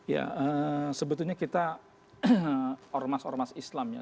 ya sebetulnya kita ormas ormas islam ya